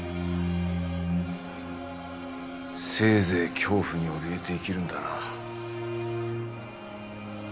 せいぜい恐怖におびえて生きるんだな。